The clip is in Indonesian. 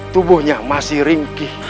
tubuhnya masih ringkih